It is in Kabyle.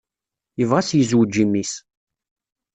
Yebɣa ad s-yezweǧ i mmi-s.